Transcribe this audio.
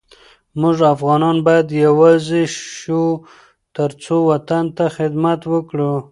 مونږ افغانان باید یوزاي شو ترڅو وطن ته خدمت وکړو